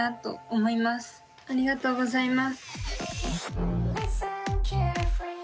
ありがとうございます。